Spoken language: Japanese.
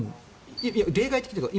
例外的というか